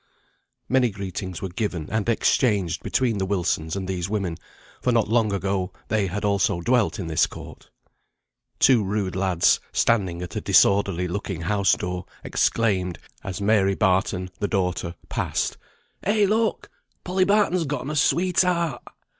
Many greetings were given and exchanged between the Wilsons and these women, for not long ago they had also dwelt in this court. Two rude lads, standing at a disorderly looking house door, exclaimed, as Mary Barton (the daughter) passed, "Eh, look! Polly Barton's gotten a sweetheart."